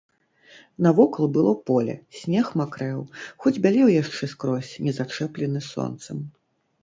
Навокал было поле, снег макрэў, хоць бялеў яшчэ скрозь, не зачэплены сонцам.